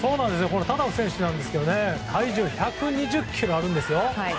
タタフ選手なんですけど体重１２０ｋｇあるんですよ。